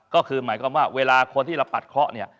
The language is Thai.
ก็คือหมายความว่าเวลาคนที่เราปัดเคาะเนี่ย